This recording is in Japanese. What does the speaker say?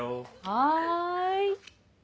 はい！